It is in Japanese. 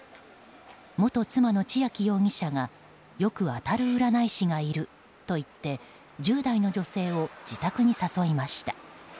元妻の千秋容疑者がよく当たる占い師がいると言って１０代の女性を自宅に誘いました。